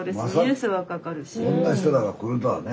こんな人らが来るとはね。